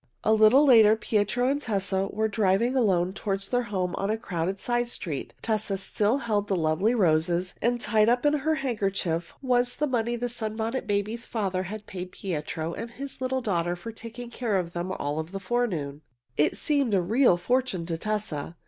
A little later Pietro and Tessa were driving alone toward their home on a crowded side street. Tessa still held the lovely roses, and tied up in her handkerchief was the money the Sunbonnet Babies' father had paid Pietro and his little daughter for taking care of them all the forenoon. It seemed a real fortune to Tessa.